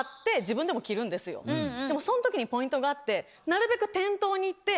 でもその時にポイントがあって。